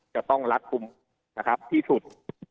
จะต้องรัดคุมที่สุด